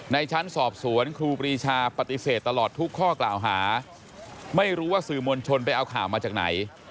ชั้นสอบสวนครูปรีชาปฏิเสธตลอดทุกข้อกล่าวหาไม่รู้ว่าสื่อมวลชนไปเอาข่าวมาจากไหน